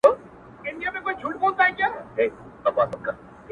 هغه اوس كډ ه وړي كا بل ته ځي ـ